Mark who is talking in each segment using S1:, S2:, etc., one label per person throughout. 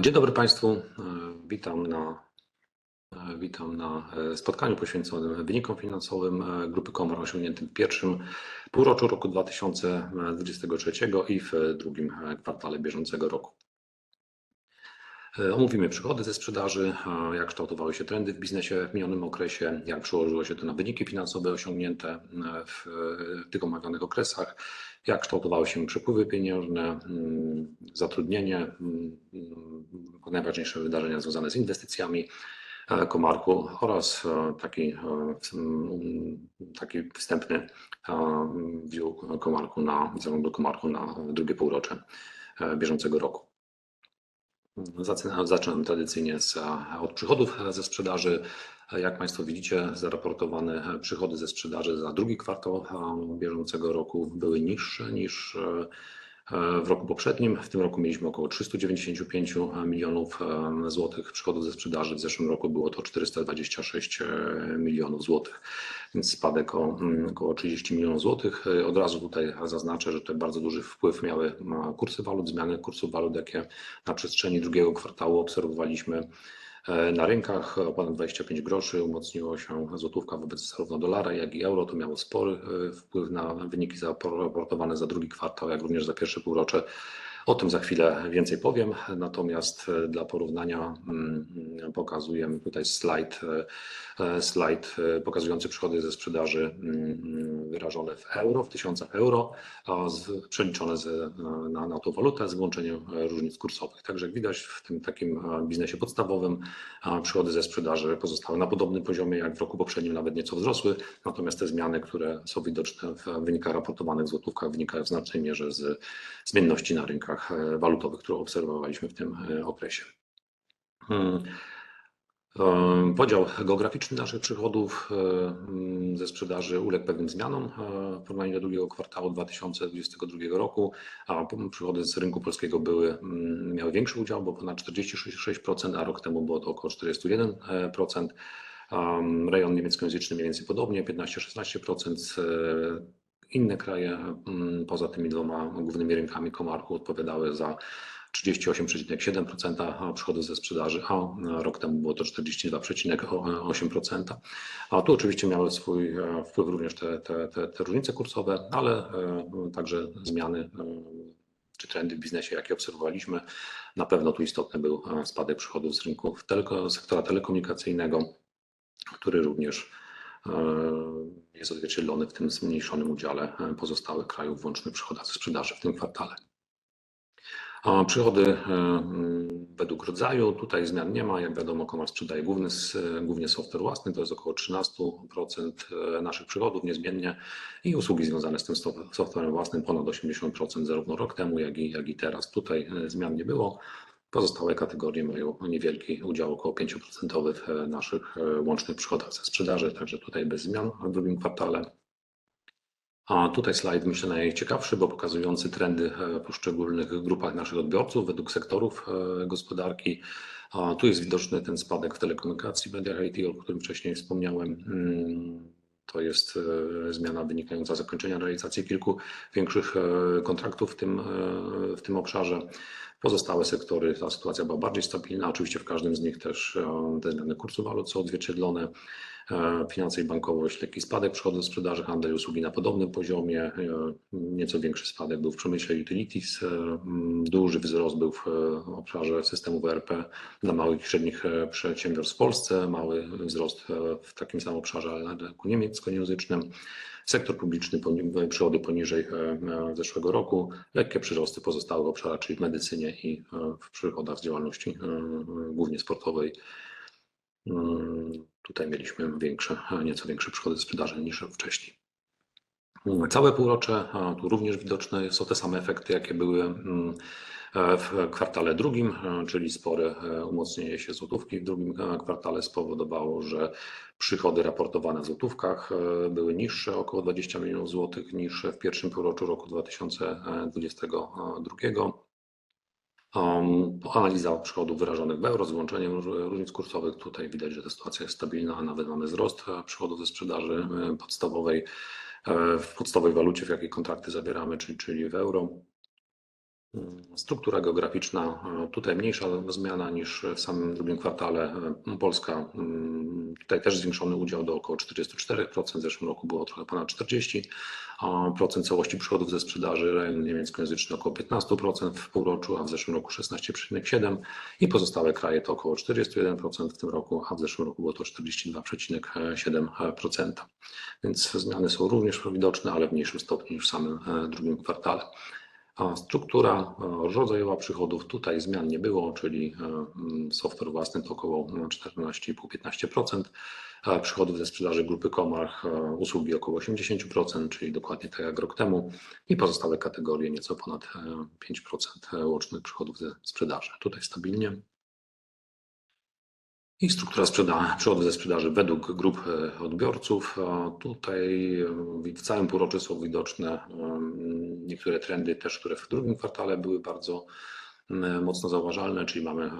S1: Dzień dobry Państwu. Witam na spotkaniu poświęconym wynikom finansowym grupy Comarch osiągniętym w pierwszym półroczu roku 2023 i w drugim kwartale bieżącego roku. Omówimy przychody ze sprzedaży, jak kształtowały się trendy w biznesie w minionym okresie, jak przełożyło się to na wyniki finansowe osiągnięte w tych omawianych okresach, jak kształtowały się przepływy pieniężne, zatrudnienie, najważniejsze wydarzenia związane z inwestycjami Comarchu oraz taki wstępny view Comarchu na drugie półrocze bieżącego roku. Zacznę tradycyjnie od przychodów ze sprzedaży. Jak Państwo widzicie, zaraportowane przychody ze sprzedaży za drugi kwartał bieżącego roku były niższe niż w roku poprzednim. W tym roku mieliśmy około 395 milionów złotych przychodów ze sprzedaży. W zeszłym roku było to 426 milionów złotych, więc spadek o około 30 milionów złotych. Od razu tutaj zaznaczę, że tutaj bardzo duży wpływ miały kursy walut, zmiany kursu walut, jakie na przestrzeni drugiego kwartału obserwowaliśmy na rynkach. O ponad 25 groszy umocniła się złotówka wobec zarówno dolara, jak i euro. To miało spory wpływ na wyniki zaraportowane za drugi kwartał, jak również za pierwsze półrocze. O tym za chwilę więcej powiem. Natomiast dla porównania pokazujemy tutaj slajd pokazujący przychody ze sprzedaży wyrażone w euro, w tysiącach euro, przeliczone na tą walutę z wyłączeniem różnic kursowych. Także widać w tym takim biznesie podstawowym przychody ze sprzedaży pozostały na podobnym poziomie jak w roku poprzednim, nawet nieco wzrosły. Natomiast te zmiany, które są widoczne w wynikach raportowanych w złotówkach, wynikają w znacznej mierze z zmienności na rynkach walutowych, którą obserwowaliśmy w tym okresie. Podział geograficzny naszych przychodów ze sprzedaży uległ pewnym zmianom. W porównaniu do drugiego kwartału 2022 roku, przychody z rynku polskiego miały większy udział, bo ponad 46%, a rok temu było to około 41%. Rejon niemieckojęzyczny mniej więcej podobnie 15%, 16%. Inne kraje poza tymi dwoma głównymi rynkami Comarchu odpowiadały za 38,7% przychodu ze sprzedaży, a rok temu było to 42,8%. Tu oczywiście miały swój wpływ również te różnice kursowe, ale także zmiany czy trendy w biznesie, jakie obserwowaliśmy. Na pewno tu istotny był spadek przychodów z rynku sektora telekomunikacyjnego, który również jest odzwierciedlony w tym zmniejszonym udziale pozostałych krajów w łącznych przychodach ze sprzedaży w tym kwartale. Przychody według rodzaju tutaj zmian nie ma. Jak wiadomo, Comarch sprzedaje głównie software własny. To jest około 13% naszych przychodów, niezmiennie i usługi związane z tym softwarem własnym ponad 80%, zarówno rok temu, jak i teraz. Tutaj zmian nie było. Pozostałe kategorie mają niewielki udział, około 5% w naszych łącznych przychodach ze sprzedaży. Także tutaj bez zmian w drugim kwartale. Tutaj slajd myślę najciekawszy, bo pokazujący trendy w poszczególnych grupach naszych odbiorców według sektorów gospodarki. Tu jest widoczny ten spadek w telekomunikacji, media i IT, o którym wcześniej wspomniałem. To jest zmiana wynikająca z zakończenia realizacji kilku większych kontraktów, w tym w tym obszarze. Pozostałe sektory, ta sytuacja była bardziej stabilna. Oczywiście w każdym z nich też te zmiany kursu walut są odzwierciedlone. Finanse i bankowość, lekki spadek przychodów ze sprzedaży, handel i usługi na podobnym poziomie. Nieco większy spadek był w przemyśle utilities. Duży wzrost był w obszarze systemów ERP dla małych i średnich przedsiębiorstw w Polsce. Mały wzrost w takim samym obszarze, ale niemieckojęzycznym. Sektor publiczny, przychody poniżej zeszłego roku. Lekkie przyrosty pozostałe obszary, czyli w medycynie i w przychodach z działalności głównie sportowej. Tutaj mieliśmy większe, nieco większe przychody ze sprzedaży niż wcześniej. Całe półrocze, tutaj również widoczne są te same efekty, jakie były w kwartale drugim, czyli spore umocnienie się złotówki w drugim kwartale spowodowało, że przychody raportowane w złotówkach były niższe o około 20 milionów złotych niż w pierwszym półroczu roku 2022. Analiza przychodów wyrażonych w euro, z wyłączeniem różnic kursowych. Tutaj widać, że ta sytuacja jest stabilna, a nawet mamy wzrost przychodów ze sprzedaży podstawowej w podstawowej walucie, w jakiej kontrakty zawieramy, czyli w euro. Struktura geograficzna. Tutaj mniejsza zmiana niż w samym drugim kwartale. Polska, tutaj też zwiększony udział do około 44%. W zeszłym roku było trochę ponad 40% całości przychodów ze sprzedaży. Region niemieckojęzyczny około 15% w półroczu, a w zeszłym roku 16,7, i pozostałe kraje to około 41% w tym roku, a w zeszłym roku było to 42,7%. Więc zmiany są również widoczne, ale w mniejszym stopniu niż w samym drugim kwartale. A struktura rodzajowa przychodów — tutaj zmian nie było. Czyli software własny to około 14,5-15% przychodów ze sprzedaży grupy Comarch. Usługi około 80%, czyli dokładnie tak jak rok temu. I pozostałe kategorie nieco ponad 5% łącznych przychodów ze sprzedaży. Tutaj stabilnie i struktura przychodów ze sprzedaży według grup odbiorców. Tutaj w całym półroczu są widoczne niektóre trendy, też które w drugim kwartale były bardzo mocno zauważalne. Czyli mamy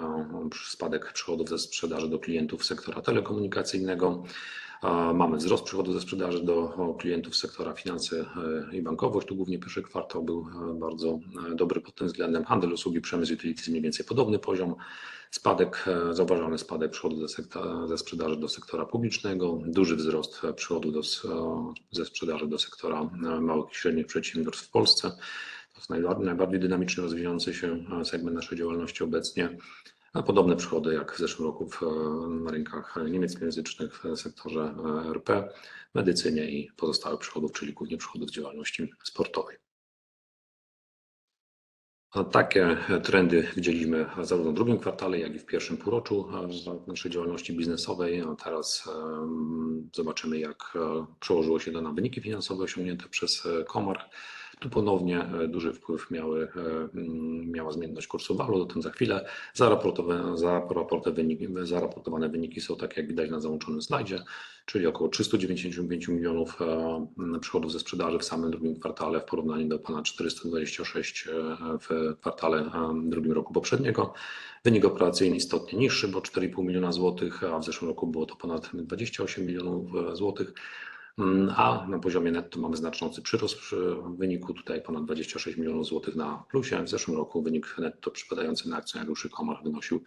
S1: spadek przychodów ze sprzedaży do klientów sektora telekomunikacyjnego, a mamy wzrost przychodu ze sprzedaży do klientów z sektora finanse i bankowość. Tu głównie pierwszy kwartał był bardzo dobry pod tym względem. Handel, usługi, przemysł i utility mniej więcej podobny poziom. Spadek, zauważalny spadek przychodów do sektora, ze sprzedaży do sektora publicznego. Duży wzrost przychodu ze sprzedaży do sektora małych i średnich przedsiębiorstw w Polsce. To jest najbardziej dynamicznie rozwijający się segment naszej działalności obecnie. A podobne przychody jak w zeszłym roku na rynkach niemieckojęzycznych, w sektorze RP, medycynie i pozostałych przychodów, czyli głównie przychodów z działalności sportowej. Takie trendy widzieliśmy zarówno w drugim kwartale, jak i w pierwszym półroczu naszej działalności biznesowej. A teraz zobaczymy, jak przełożyło się to na wyniki finansowe osiągnięte przez Comarch. Tu ponownie duży wpływ miała zmienność kursu walut. O tym za chwilę. Zaraportowane wyniki są takie, jak widać na załączonym slajdzie, czyli około 395 milionów przychodów ze sprzedaży w samym drugim kwartale, w porównaniu do ponad 426 w kwartale drugim roku poprzedniego. Wynik operacyjny istotnie niższy, bo 4,5 miliona złotych, a w zeszłym roku było to ponad 28 milionów złotych. Na poziomie netto mamy znaczący przyrost w wyniku tutaj ponad 26 milionów złotych na plusie. W zeszłym roku wynik netto przypadający na akcjonariuszy Comarch wynosił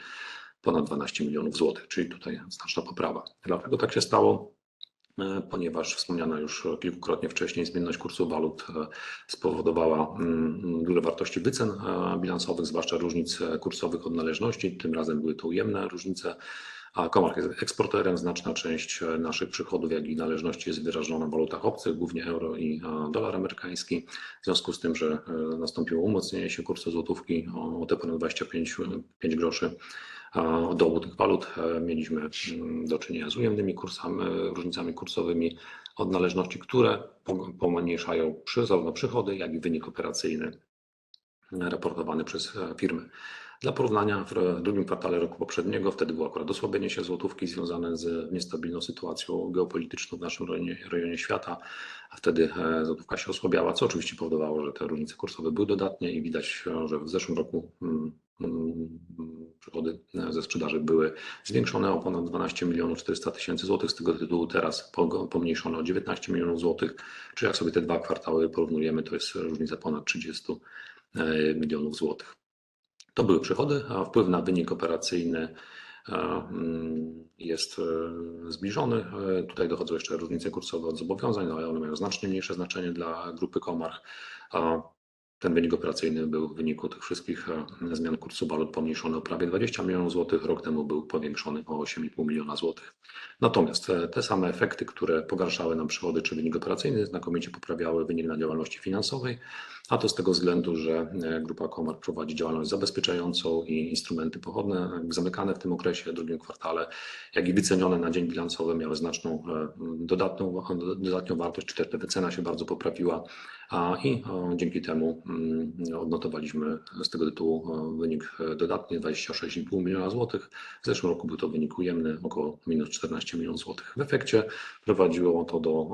S1: ponad 12 milionów złotych, czyli tutaj znaczna poprawa. Dlaczego tak się stało? Ponieważ wspomniana już kilkukrotnie wcześniej zmienność kursu walut spowodowała duże wartości wycen bilansowych, zwłaszcza różnic kursowych od należności. Tym razem były to ujemne różnice, a Comarch jest eksporterem. Znaczna część naszych przychodów, jak i należności, jest wyrażona w walutach obcych, głównie euro i dolar amerykański. W związku z tym, że nastąpiło umocnienie się kursu złotówki o te ponad 25,05 groszy do obu tych walut, mieliśmy do czynienia z ujemnymi różnicami kursowymi od należności, które pomniejszają zarówno przychody, jak i wynik operacyjny raportowany przez firmę. Dla porównania, w drugim kwartale roku poprzedniego wtedy było akurat osłabienie się złotówki związane z niestabilną sytuacją geopolityczną w naszym rejonie świata. Wtedy złotówka się osłabiała, co oczywiście powodowało, że te różnice kursowe były dodatnie i widać, że w zeszłym roku przychody ze sprzedaży były zwiększone o ponad 12,4 miliona złotych. Z tego tytułu teraz pomniejszone o 19 milionów złotych. Czyli jak sobie te dwa kwartały porównujemy, to jest różnica ponad 30 milionów złotych. To były przychody, a wpływ na wynik operacyjny jest zbliżony. Tutaj dochodzą jeszcze różnice kursowe od zobowiązań, ale one mają znacznie mniejsze znaczenie dla grupy Comarch. Ten wynik operacyjny był w wyniku tych wszystkich zmian kursu walut pomniejszony o prawie 20 milionów złotych. Rok temu był powiększony o 8,5 miliona złotych. Natomiast te same efekty, które pogarszały nam przychody czy wynik operacyjny, znakomicie poprawiały wynik na działalności finansowej. To z tego względu, że Grupa Comarch prowadzi działalność zabezpieczającą i instrumenty pochodne zamykane w tym okresie, w drugim kwartale, jak i wycenione na dzień bilansowy, miały znaczną dodatnią wartość. Czyli ta wycena się bardzo poprawiła i dzięki temu odnotowaliśmy z tego tytułu wynik dodatni 26,5 miliona złotych. W zeszłym roku był to wynik ujemny, około minus 14 milionów złotych. W efekcie prowadziło to do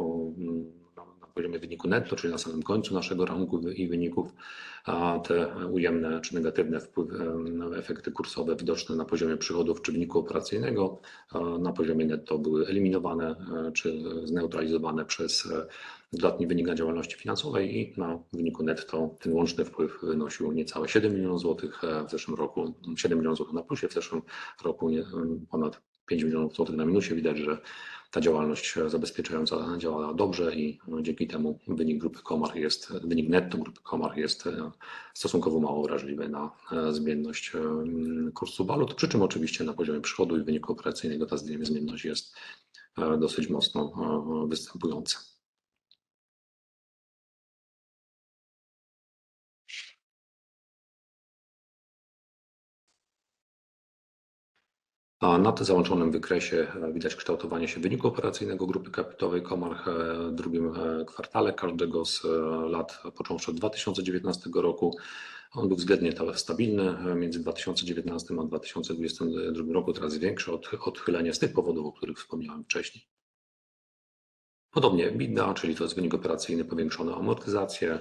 S1: na poziomie wyniku netto, czyli na samym końcu naszego rachunku i wyników. Te ujemne czy negatywne wpływy, efekty kursowe widoczne na poziomie przychodów czy wyniku operacyjnego, na poziomie netto były eliminowane czy zneutralizowane przez dodatni wynik na działalności finansowej i na wyniku netto ten łączny wpływ wynosił niecałe 7 milionów złotych. W zeszłym roku 7 milionów złotych na plusie, w zeszłym roku ponad 5 milionów złotych na minusie. Widać, że ta działalność zabezpieczająca działa dobrze i dzięki temu wynik grupy Comarch jest, wynik netto grupy Comarch jest stosunkowo mało wrażliwy na zmienność kursu walut. Przy czym oczywiście na poziomie przychodu i wyniku operacyjnego ta zmienność jest dosyć mocno występująca. Na tym załączonym wykresie widać kształtowanie się wyniku operacyjnego grupy kapitałowej Comarch w drugim kwartale każdego z lat, począwszy od 2019 roku. On był względnie całkiem stabilny między 2019 a 2022 rokiem. Teraz większe odchylenie z tych powodów, o których wspomniałem wcześniej. Podobnie EBITDA, czyli to jest wynik operacyjny powiększony o amortyzację.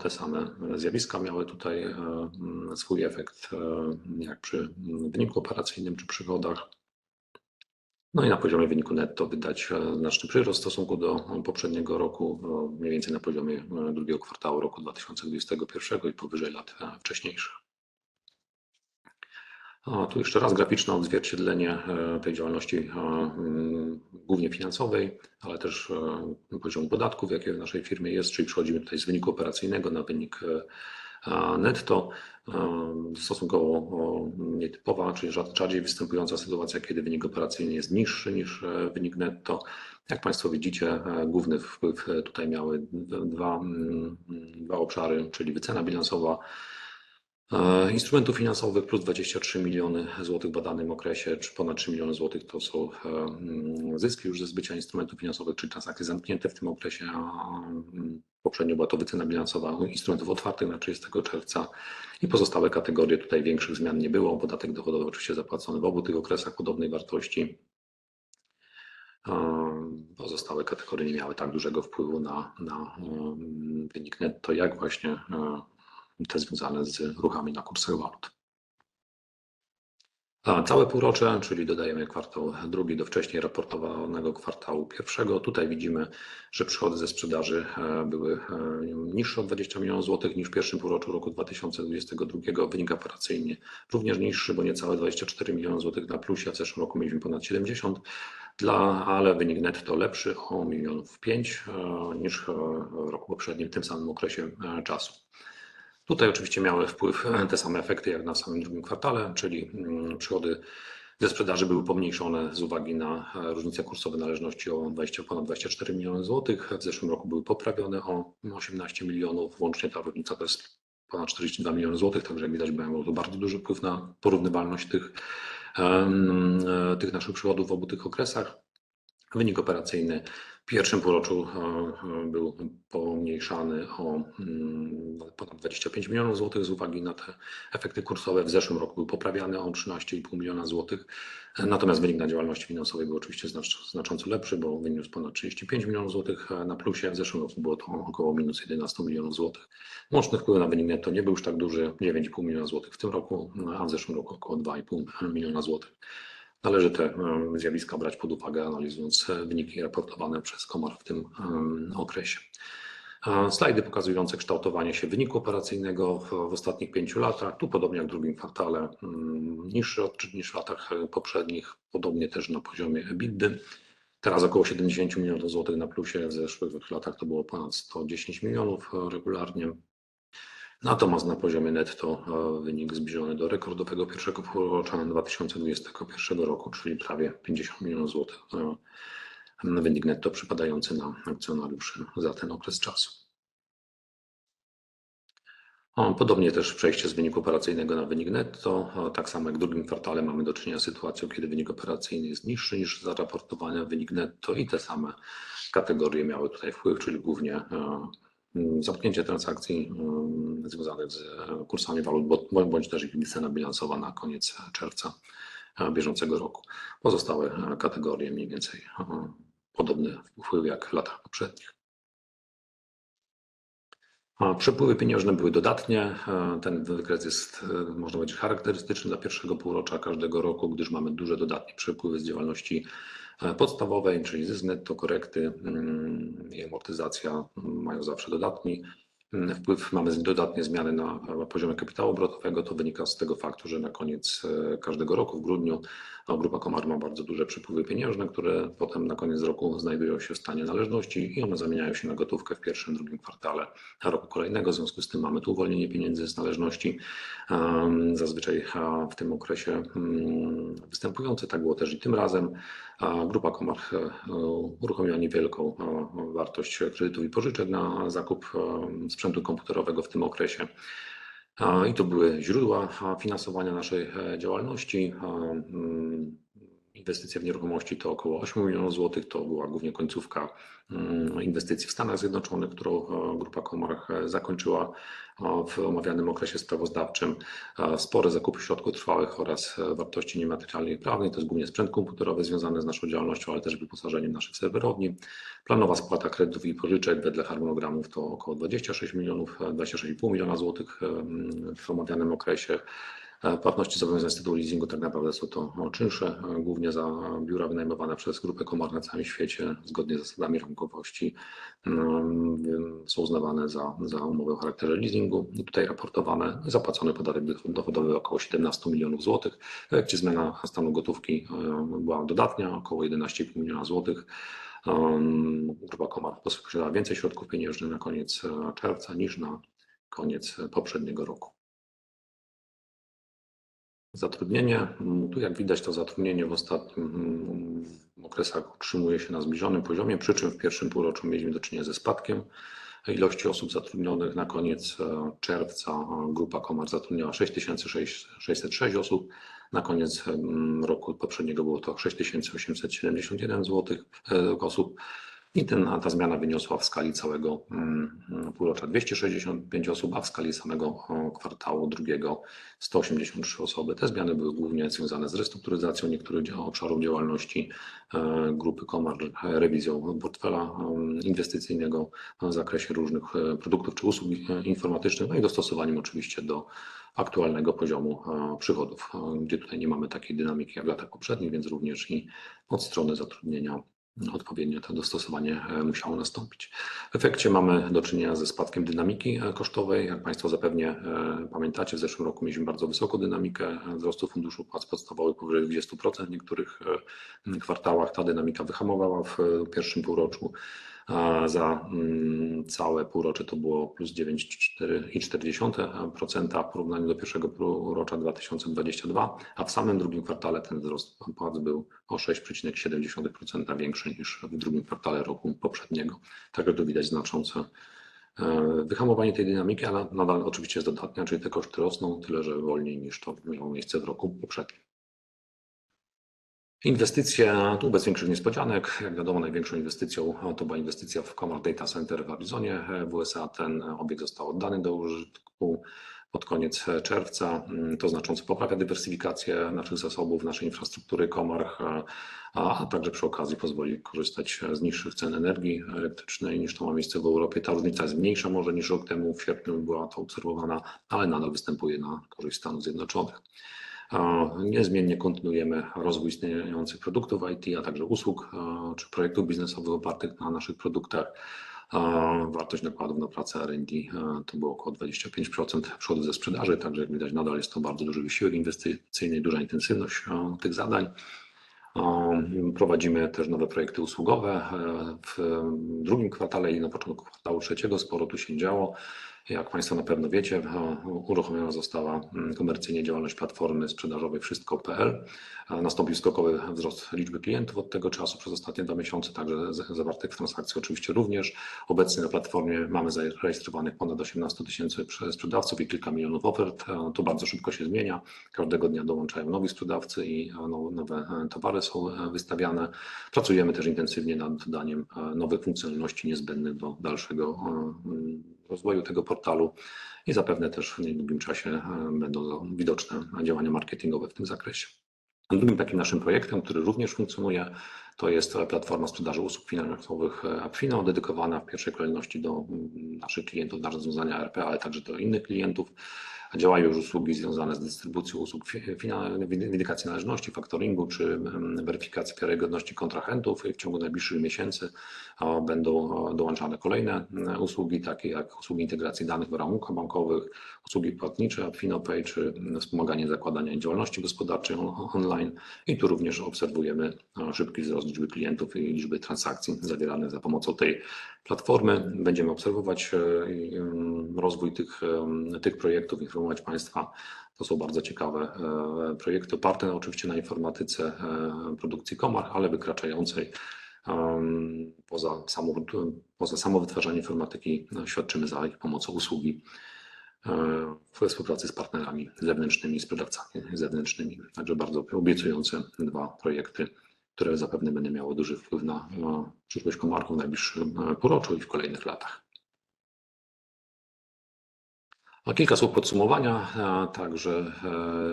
S1: Te same zjawiska miały tutaj swój efekt, jak przy wyniku operacyjnym czy przychodach. No i na poziomie wyniku netto widać znaczny przyrost w stosunku do poprzedniego roku, mniej więcej na poziomie drugiego kwartału roku 2021 i powyżej lat wcześniejszych. A tu jeszcze raz graficzne odzwierciedlenie tej działalności, głównie finansowej, ale też poziomu podatków, jakie w naszej firmie jest. Czyli przechodzimy tutaj z wyniku operacyjnego na wynik netto. Stosunkowo nietypowa, czyli rzadziej występująca sytuacja, kiedy wynik operacyjny jest niższy niż wynik netto. Jak państwo widzicie, główny wpływ tutaj miały dwa obszary, czyli wycena bilansowa instrumentów finansowych plus 23 miliony złotych w badanym okresie. Czy ponad 3 miliony złotych to są zyski już ze zbycia instrumentów finansowych, czyli transakcje zamknięte w tym okresie. A poprzednio była to wycena bilansowa instrumentów otwartych na 30 czerwca i pozostałe kategorie. Tutaj większych zmian nie było. Podatek dochodowy oczywiście zapłacony w obu tych okresach podobnej wartości. Pozostałe kategorie nie miały tak dużego wpływu na wynik netto, jak właśnie te związane z ruchami na kursach walut. Całe półrocze, czyli dodajemy kwartał drugi do wcześniej raportowanego kwartału pierwszego. Tutaj widzimy, że przychody ze sprzedaży były niższe o 20 milionów złotych niż w pierwszym półroczu roku 2022. Wynik operacyjny również niższy, bo niecałe 24 miliony złotych na plusie. W zeszłym roku mieliśmy ponad 70, ale wynik netto lepszy o 5 milionów niż w roku poprzednim, w tym samym okresie czasu. Tutaj oczywiście miały wpływ te same efekty jak na samym drugim kwartale, czyli przychody ze sprzedaży były pomniejszone z uwagi na różnice kursowe należności o 24 miliony złotych. W zeszłym roku były poprawione o 18 milionów. Łącznie ta różnica to jest ponad 42 miliony złotych. Jak widać, miało to bardzo duży wpływ na porównywalność tych naszych przychodów w obu tych okresach. Wynik operacyjny w pierwszym półroczu był pomniejszany o ponad 25 milionów złotych z uwagi na te efekty kursowe. W zeszłym roku był poprawiany o 13,5 miliona złotych. Natomiast wynik na działalności finansowej był oczywiście znacząco lepszy, bo wyniósł ponad 35 milionów złotych na plusie. W zeszłym roku było to około minus 11 milionów złotych. Łączny wpływ na wynik netto nie był już tak duży. 9,5 mln zł w tym roku, a w zeszłym roku około 2,5 mln zł. Należy te zjawiska brać pod uwagę, analizując wyniki raportowane przez Comarch w tym okresie. Slajdy pokazujące kształtowanie się wyniku operacyjnego w ostatnich pięciu latach. Podobnie jak w drugim kwartale, niższy odczyt niż w latach poprzednich. Podobnie też na poziomie EBITDA. Teraz około 70 mln zł na plusie. W zeszłych dwóch latach to było ponad 110 mln zł regularnie. Natomiast na poziomie netto wynik zbliżony do rekordowego pierwszego półrocza 2021 roku, czyli prawie 50 mln zł na wynik netto przypadający na akcjonariuszy za ten okres czasu. Podobnie też przejście z wyniku operacyjnego na wynik netto. Tak samo jak w drugim kwartale mamy do czynienia z sytuacją, kiedy wynik operacyjny jest niższy niż zaraportowany wynik netto i te same kategorie miały tutaj wpływ, czyli głównie zamknięcie transakcji związanych z kursami walut bądź też ich wycena bilansowa na koniec czerwca bieżącego roku. Pozostałe kategorie mniej więcej podobny wpływ jak w latach poprzednich. Przepływy pieniężne były dodatnie. Ten wykres jest, można powiedzieć, charakterystyczny dla pierwszego półrocza każdego roku, gdyż mamy duże, dodatnie przepływy z działalności podstawowej, czyli zysk netto, korekty i amortyzacja mają zawsze dodatni wpływ. Mamy dodatnie zmiany na poziomie kapitału obrotowego. To wynika z tego faktu, że na koniec każdego roku, w grudniu, Grupa Comarch ma bardzo duże przepływy pieniężne, które potem na koniec roku znajdują się w stanie należności i one zamieniają się na gotówkę w pierwszym, drugim kwartale roku kolejnego. W związku z tym mamy tu uwolnienie pieniędzy z należności, zazwyczaj w tym okresie występujące. Tak było też i tym razem. Grupa Comarch uruchomiła niewielką wartość kredytów i pożyczek na zakup sprzętu komputerowego w tym okresie i to były źródła finansowania naszej działalności. Inwestycje w nieruchomości to około 8 milionów złotych. To była głównie końcówka inwestycji w Stanach Zjednoczonych, którą Grupa Comarch zakończyła w omawianym okresie sprawozdawczym. Spore zakupy środków trwałych oraz wartości niematerialnych i prawnych. To jest głównie sprzęt komputerowy związany z naszą działalnością, ale też wyposażeniem naszych serwerowni. Planowa spłata kredytów i pożyczek wedle harmonogramów to około 26 milionów, 26,5 miliona złotych w omawianym okresie. Płatności zobowiązań z tytułu leasingu tak naprawdę są to czynsze, głównie za biura wynajmowane przez Grupę Comarch na całym świecie. Zgodnie z zasadami rachunkowości są uznawane za umowę o charakterze leasingu. Tutaj raportowane, zapłacony podatek dochodowy około 17 milionów złotych, gdzie zmiana stanu gotówki była dodatnia około 11,5 miliona złotych. Grupa Comarch posiada więcej środków pieniężnych na koniec czerwca niż na koniec poprzedniego roku. Zatrudnienie. Jak widać, to zatrudnienie w ostatnich okresach utrzymuje się na zbliżonym poziomie, przy czym w pierwszym półroczu mieliśmy do czynienia ze spadkiem ilości osób zatrudnionych. Na koniec czerwca Grupa Comarch zatrudniała 6606 osób. Na koniec roku poprzedniego było to 6871 osób i ta zmiana wyniosła w skali całego półrocza 265 osób, a w skali samego kwartału drugiego 183 osoby. Te zmiany były głównie związane z restrukturyzacją niektórych obszarów działalności Grupy Comarch, rewizją portfela inwestycyjnego w zakresie różnych produktów czy usług informatycznych i dostosowaniem oczywiście do aktualnego poziomu przychodów, gdzie tutaj nie mamy takiej dynamiki jak w latach poprzednich, więc również od strony zatrudnienia odpowiednio to dostosowanie musiało nastąpić. W efekcie mamy do czynienia ze spadkiem dynamiki kosztowej. Jak Państwo zapewne pamiętacie, w zeszłym roku mieliśmy bardzo wysoką dynamikę wzrostu funduszu płac podstawowych powyżej 20%. W niektórych kwartałach ta dynamika wyhamowała. W pierwszym półroczu za całe półrocze to było plus 9,4% w porównaniu do pierwszego półrocza 2022, a w samym drugim kwartale ten wzrost płac był o 6,7% większy niż w drugim kwartale roku poprzedniego. Także tu widać znaczące wyhamowanie tej dynamiki, ale nadal oczywiście jest dodatnia, czyli te koszty rosną, tyle że wolniej niż to miało miejsce w roku poprzednim. Inwestycje, tu bez większych niespodzianek. Jak wiadomo, największą inwestycją to była inwestycja w Comarch Data Center w Arizonie w USA. Ten obiekt został oddany do użytku pod koniec czerwca. To znacząco poprawia dywersyfikację naszych zasobów, naszej infrastruktury Comarch, a także przy okazji pozwoli korzystać z niższych cen energii elektrycznej, niż to ma miejsce w Europie. Ta różnica jest mniejsza może niż rok temu, w kwietniu była to obserwowana, ale nadal występuje na korzyść Stanów Zjednoczonych. Niezmiennie kontynuujemy rozwój istniejących produktów IT, a także usług, czy projektów biznesowych opartych na naszych produktach. Wartość nakładów na prace R&D to było około 25% przychodu ze sprzedaży. Także jak widać, nadal jest to bardzo duży wysiłek inwestycyjny i duża intensywność tych zadań. Prowadzimy też nowe projekty usługowe. W drugim kwartale i na początku kwartału trzeciego sporo tu się działo. Jak Państwo na pewno wiecie, uruchomiona została komercyjnie działalność platformy sprzedażowej Wszystko.pl. Nastąpił skokowy wzrost liczby klientów od tego czasu. Przez ostatnie dwa miesiące także zawartych transakcji oczywiście również. Obecnie na platformie mamy zarejestrowanych ponad 18,000 sprzedawców i kilka milionów ofert. To bardzo szybko się zmienia. Każdego dnia dołączają nowi sprzedawcy i nowe towary są wystawiane. Pracujemy też intensywnie nad dodaniem nowych funkcjonalności niezbędnych do dalszego rozwoju tego portalu i zapewne też w niedługim czasie będą widoczne działania marketingowe w tym zakresie. Drugim takim naszym projektem, który również funkcjonuje, to jest platforma sprzedaży usług finansowych Apfino, dedykowana w pierwszej kolejności do naszych klientów na rozwiązania ERP, ale także do innych klientów. Działają już usługi związane z dystrybucją usług finansowych, windykacji należności, faktoringu czy weryfikacji wiarygodności kontrahentów. W ciągu najbliższych miesięcy będą dołączane kolejne usługi, takie jak usługi integracji danych w rachunkach bankowych, usługi płatnicze Apfino Pay czy wspomaganie zakładania działalności gospodarczej online. Tu również obserwujemy szybki wzrost liczby klientów i liczby transakcji zawieranych za pomocą tej platformy. Będziemy obserwować rozwój tych projektów i informować Państwa. To są bardzo ciekawe projekty, oparte oczywiście na informatyce produkcji Comarch, ale wykraczającej poza samo wytwarzanie informatyki. Świadczymy za ich pomocą usługi we współpracy z partnerami zewnętrznymi i sprzedawcami zewnętrznymi. Bardzo obiecujące dwa projekty, które zapewne będą miały duży wpływ na przyszłość Comarchu w najbliższym półroczu i w kolejnych latach. Kilka słów podsumowania.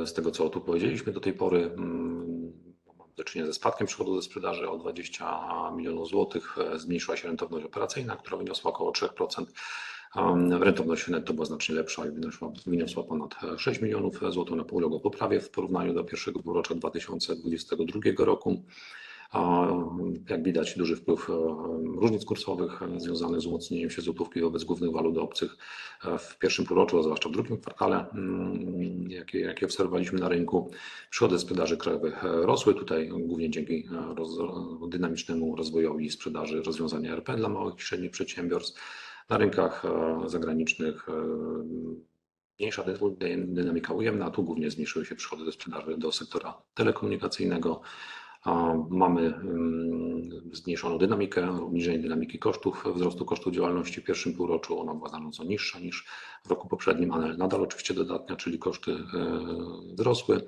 S1: Z tego, co tu powiedzieliśmy, do tej pory mamy do czynienia ze spadkiem przychodu ze sprzedaży o 20 milionów złotych. Zmniejszyła się rentowność operacyjna, która wyniosła około 3%, a rentowność netto była znacznie lepsza i wyniosła ponad 6 milionów złotych. Uległa poprawie w porównaniu do pierwszego półrocza 2022 roku. Jak widać, duży wpływ różnic kursowych związany z umocnieniem się złotówki wobec głównych walut obcych w pierwszym półroczu, a zwłaszcza w drugim kwartale, jakie obserwowaliśmy na rynku. Przychody ze sprzedaży krajowych rosły tutaj głównie dzięki dynamicznemu rozwojowi sprzedaży rozwiązań ERP dla małych i średnich przedsiębiorstw. Na rynkach zagranicznych mniejsza dynamika, dynamika ujemna. Tu głównie zmniejszyły się przychody ze sprzedaży do sektora telekomunikacyjnego. Mamy zmniejszoną dynamikę, obniżenie dynamiki kosztów, wzrostu kosztów działalności. W pierwszym półroczu ona była znacząco niższa niż w roku poprzednim, ale nadal oczywiście dodatnia, czyli koszty wzrosły.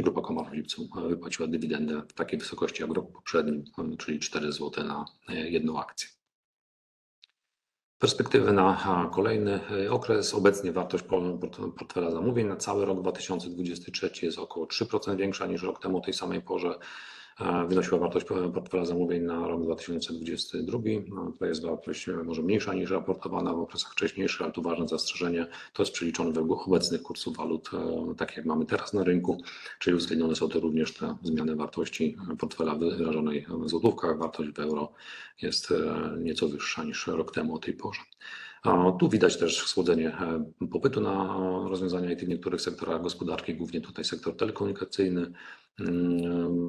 S1: Grupa Comarch w lipcu wypłaciła dywidendę w takiej wysokości jak w roku poprzednim, czyli 4 zł na jedną akcję. Perspektywy na kolejny okres. Obecnie wartość portfela zamówień na cały rok 2023 jest około 3% większa niż rok temu o tej samej porze wynosiła wartość portfela zamówień na rok 2022. To jest wartość może mniejsza niż raportowana w okresach wcześniejszych, ale tu ważne zastrzeżenie: to jest przeliczone według obecnych kursów walut, tak jak mamy teraz na rynku. Czyli uwzględnione są tu również te zmiany wartości portfela wyrażonej w złotówkach. Wartość w euro jest nieco wyższa niż rok temu o tej porze. Tu widać też schłodzenie popytu na rozwiązania IT w niektórych sektorach gospodarki. Głównie tutaj sektor telekomunikacyjny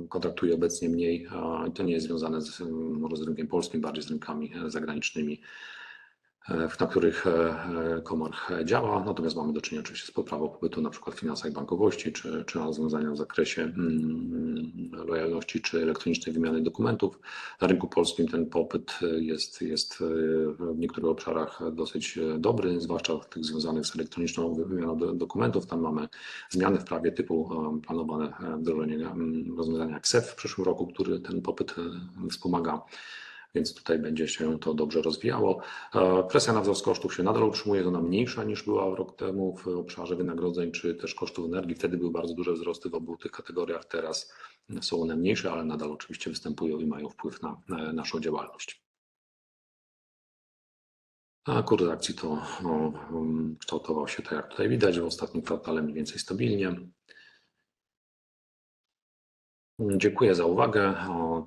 S1: kontraktuje obecnie mniej i to nie jest związane z rynkiem polskim, bardziej z rynkami zagranicznymi, na których Comarch działa. Natomiast mamy do czynienia oczywiście z poprawą popytu na przykład w finansach i bankowości czy rozwiązania w zakresie lojalności, czy elektronicznej wymiany dokumentów. Na rynku polskim ten popyt jest w niektórych obszarach dosyć dobry, zwłaszcza w tych związanych z elektroniczną wymianą dokumentów. Tam mamy zmiany w prawie typu planowane wdrożenie rozwiązania KSeF w przyszłym roku, który ten popyt wspomaga, więc tutaj będzie się to dobrze rozwijało. Presja na wzrost kosztów się nadal utrzymuje. Jest ona mniejsza niż była rok temu w obszarze wynagrodzeń czy też kosztów energii. Wtedy były bardzo duże wzrosty w obu tych kategoriach. Teraz są one mniejsze, ale nadal oczywiście występują i mają wpływ na naszą działalność. A kurs akcji to kształtował się tak, jak tutaj widać, w ostatnim kwartale mniej więcej stabilnie. Dziękuję za uwagę.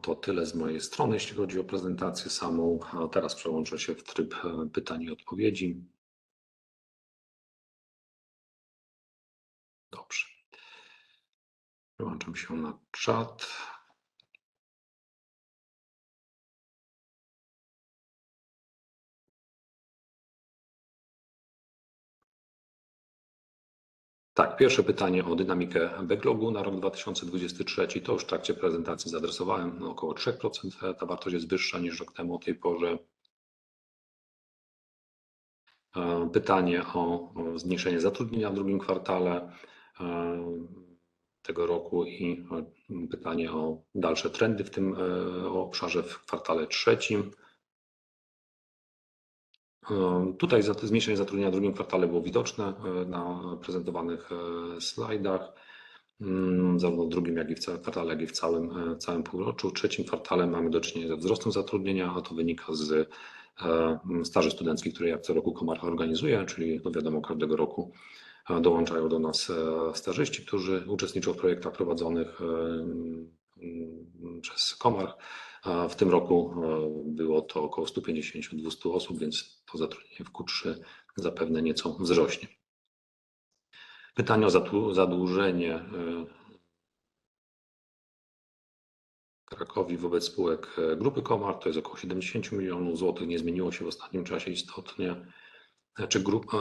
S1: To tyle z mojej strony, jeśli chodzi o prezentację samą. Teraz przełączę się w tryb pytań i odpowiedzi. Dobrze. Przełączam się na czat. Pierwsze pytanie o dynamikę backlogu na rok 2023. To już w trakcie prezentacji zaadresowałem. Około 3%. Ta wartość jest wyższa niż rok temu o tej porze. Pytanie o zmniejszenie zatrudnienia w drugim kwartale tego roku i pytanie o dalsze trendy w tym obszarze w kwartale trzecim. Tutaj zmniejszenie zatrudnienia w drugim kwartale było widoczne na prezentowanych slajdach, zarówno w drugim kwartale, jak i w całym półroczu. W trzecim kwartale mamy do czynienia ze wzrostem zatrudnienia, a to wynika ze staży studenckich, które jak co roku Comarch organizuje. Czyli, no wiadomo, każdego roku dołączają do nas stażyści, którzy uczestniczą w projektach prowadzonych przez Comarch. A w tym roku było to około 150-200 osób, więc to zatrudnienie w Q3 zapewne nieco wzrośnie. Pytanie o zadłużenie Krakowa wobec spółek Grupy Comarch. To jest około 70 milionów złotych. Nie zmieniło się w ostatnim czasie istotnie.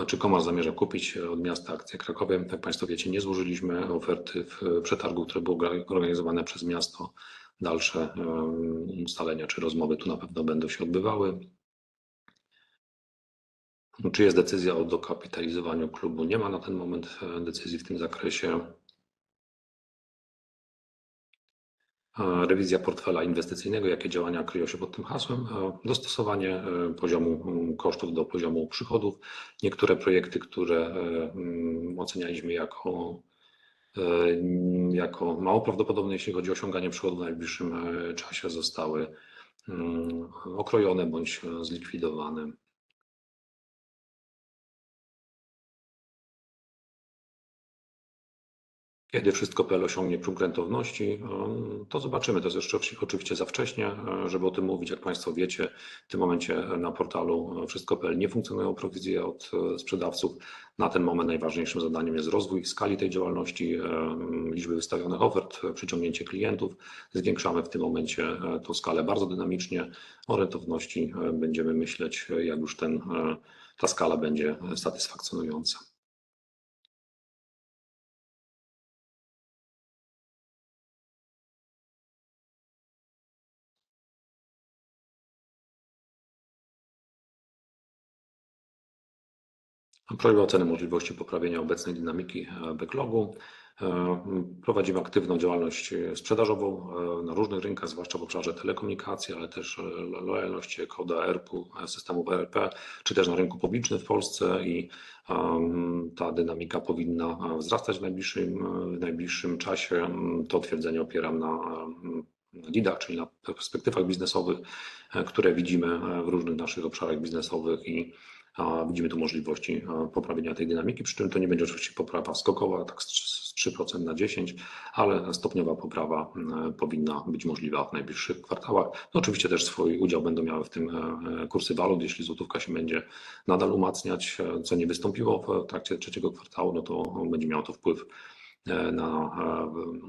S1: Czy Comarch zamierza kupić od miasta akcje Krakowa? Jak Państwo wiecie, nie złożyliśmy oferty w przetargu, które było organizowane przez miasto. Dalsze ustalenia czy rozmowy tu na pewno będą się odbywały. Czy jest decyzja o dokapitalizowaniu klubu? Nie ma na ten moment decyzji w tym zakresie. A rewizja portfela inwestycyjnego. Jakie działania kryją się pod tym hasłem? Dostosowanie poziomu kosztów do poziomu przychodów. Niektóre projekty, które ocenialiśmy jako mało prawdopodobne, jeśli chodzi o osiąganie przychodu w najbliższym czasie, zostały okrojone bądź zlikwidowane. Kiedy Wszystko.pl osiągnie próg rentowności? To zobaczymy. To jest jeszcze oczywiście za wcześnie, żeby o tym mówić. Jak Państwo wiecie, w tym momencie na portalu Wszystko.pl nie funkcjonują prowizje od sprzedawców. Na ten moment najważniejszym zadaniem jest rozwój w skali tej działalności, liczby wystawionych ofert, przyciągnięcie klientów. Zwiększamy w tym momencie tą skalę bardzo dynamicznie. O rentowności będziemy myśleć, jak już ten, ta skala będzie satysfakcjonująca. Prośba o ocenę możliwości poprawienia obecnej dynamiki backlogu. Prowadzimy aktywną działalność sprzedażową na różnych rynkach, zwłaszcza w obszarze telekomunikacji, ale też lojalności, koda, ERP-u, systemów ERP czy też na rynku publicznym w Polsce. Ta dynamika powinna wzrastać w najbliższym, w najbliższym czasie. To twierdzenie opieram na leadach, czyli na perspektywach biznesowych, które widzimy w różnych naszych obszarach biznesowych i widzimy tu możliwości poprawienia tej dynamiki. Przy czym to nie będzie oczywiście poprawa skokowa, tak z 3% na 10%, ale stopniowa poprawa powinna być możliwa w najbliższych kwartałach. Oczywiście też swój udział będą miały w tym kursy walut. Jeśli złotówka się będzie nadal umacniać, co nie wystąpiło w trakcie trzeciego kwartału, no to będzie miało to wpływ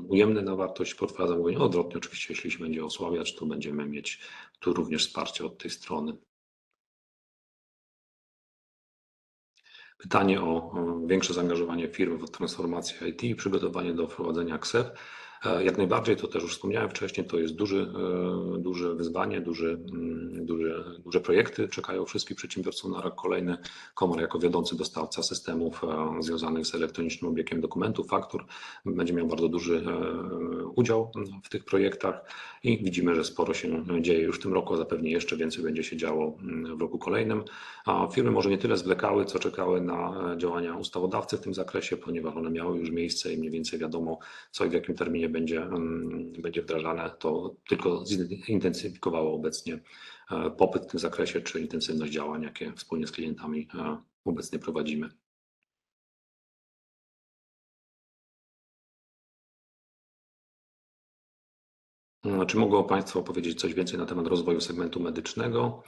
S1: ujemny na wartość portfela zamówień. Odwrotnie oczywiście, jeśli się będzie osłabiać, to będziemy mieć tu również wsparcie od tej strony. Pytanie o większe zaangażowanie firm w transformację IT i przygotowanie do wprowadzenia KSeF. Jak najbardziej, to też już wspomniałem wcześniej. To jest duże wyzwanie, duże projekty czekają wszystkich przedsiębiorców na rok kolejny. Comarch jako wiodący dostawca systemów związanych z elektronicznym obiegiem dokumentów, faktur, będzie miał bardzo duży udział w tych projektach i widzimy, że sporo się dzieje już w tym roku, a zapewne jeszcze więcej będzie się działo w roku kolejnym. Firmy może nie tyle zwlekały, co czekały na działania ustawodawcy w tym zakresie, ponieważ one miały już miejsce i mniej więcej wiadomo, co i w jakim terminie będzie wdrażane. To tylko zintensyfikowało obecnie popyt w tym zakresie czy intensywność działań, jakie wspólnie z klientami obecnie prowadzimy. Czy mogę państwu powiedzieć coś więcej na temat rozwoju segmentu medycznego?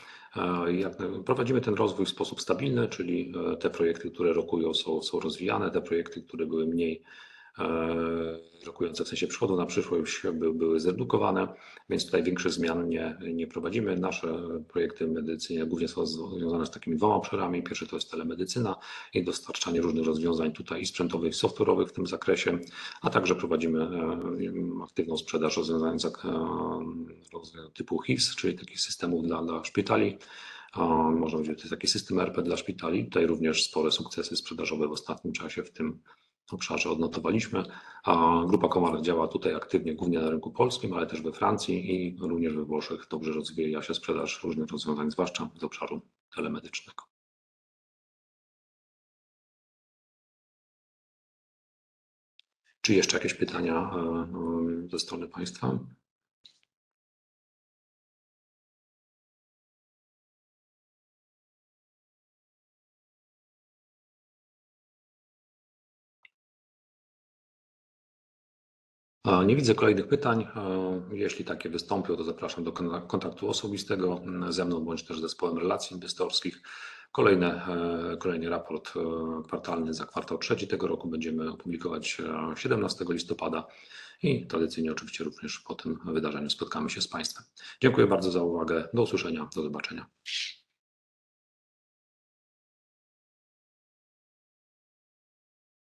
S1: Prowadzimy ten rozwój w sposób stabilny, czyli te projekty, które rokują, są rozwijane. Te projekty, które były mniej rokujące w sensie przychodu na przyszłość, były zredukowane, więc tutaj większych zmian nie prowadzimy. Nasze projekty medycyny głównie są związane z takimi dwoma obszarami. Pierwszy to jest telemedycyna i dostarczanie różnych rozwiązań, tutaj i sprzętowych, i software'owych w tym zakresie, a także prowadzimy aktywną sprzedaż rozwiązań z zakresu typu HIS, czyli takich systemów dla szpitali. Można powiedzieć, to jest taki system ERP dla szpitali. Tutaj również spore sukcesy sprzedażowe w ostatnim czasie w tym obszarze odnotowaliśmy. Grupa Comarch działa tutaj aktywnie, głównie na rynku polskim, ale też we Francji i również we Włoszech. Dobrze rozwija się sprzedaż różnych rozwiązań, zwłaszcza z obszaru telemedycznego. Czy jeszcze jakieś pytania ze strony Państwa? Nie widzę kolejnych pytań. Jeśli takie wystąpią, to zapraszam do kontaktu osobistego ze mną bądź też z zespołem relacji inwestorskich. Kolejny raport kwartalny za kwartał trzeci tego roku będziemy publikować siedemnastego listopada. I tradycyjnie oczywiście również po tym wydarzeniu spotkamy się z Państwem. Dziękuję bardzo za uwagę. Do usłyszenia, do zobaczenia!